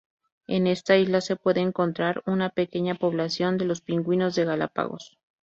En esta isla se puede encontrar una pequeña población de los pingüinos de Galápagos.